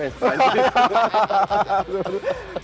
saya bukan fans perancis